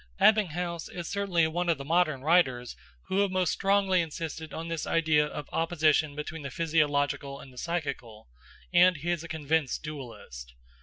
Ebbinghaus is certainly one of the modern writers who have most strongly insisted on this idea of opposition between the physiological and the psychical, and he is a convinced dualist.